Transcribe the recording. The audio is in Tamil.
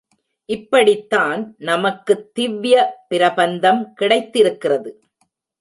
இப்படித்தான் நமக்குத் திவ்யப் பிரபந்தம் கிடைத்திருக்கிறது.